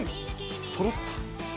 そろった。